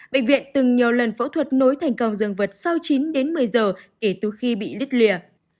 bệnh viện từng nhiều lần phẫu thuật nối thành công dương vật sau chín một mươi giờ kể từ khi bị đứt lìa